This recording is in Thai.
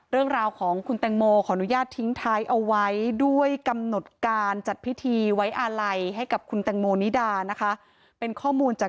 เรื่องราวของคุณแตงโมขออนุญาตทิ้งท้ายเอาไว้ด้วยกำหนดการจัดพิธีไว้อาลัยให้กับคุณแตงโมนิดานะคะเป็นข้อมูลจาก